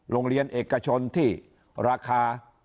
โรงเรียนเอกชนที่ราคา